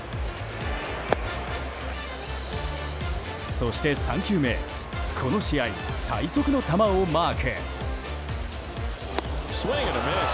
そして３球目この試合、最速の球をマーク。